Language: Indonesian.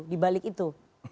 di balik itu